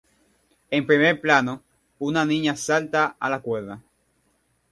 En primer plano, una niña salta a la cuerda.